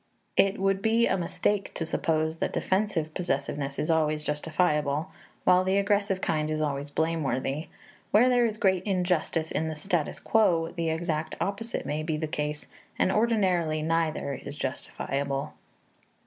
It would be a mistake to suppose that defensive possessiveness is always justifiable, while the aggressive kind is always blameworthy; where there is great injustice in the status quo, the exact opposite may be the case, and ordinarily neither is justifiable.